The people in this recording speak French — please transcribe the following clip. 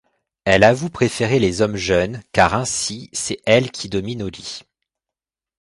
Elle avoue préférer les hommes jeunes, car ainsi c'est elle qui domine au lit.